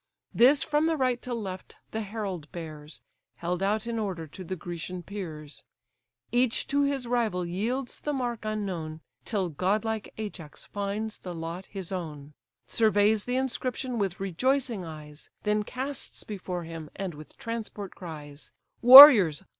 This from the right to left the herald bears, Held out in order to the Grecian peers; Each to his rival yields the mark unknown, Till godlike Ajax finds the lot his own; Surveys the inscription with rejoicing eyes, Then casts before him, and with transport cries: "Warriors!